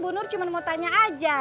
bu nur cuma mau tanya aja